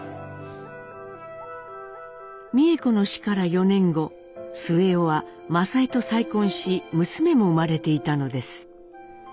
美枝子の死から４年後末男は政枝と再婚し娘も生まれていたのです。